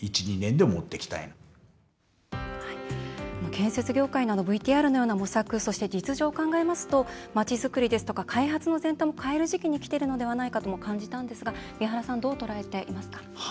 建設業界のＶＴＲのような模索そして、実情を考えますと街づくりですとか開発の前提も変える時期に来ているのではないかと感じたんですが三原さん、どう捉えていますか？